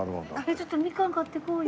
ちょっとみかん買っていこうよ。